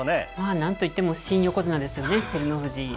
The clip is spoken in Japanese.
なんといっても新横綱ですよね、照ノ富士。